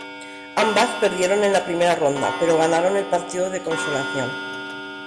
Ambas perdieron en la primera ronda, pero ganaron el partido de consolación.